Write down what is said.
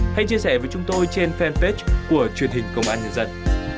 hãy chia sẻ với chúng tôi trên fanpage của truyền hình công an nhân dân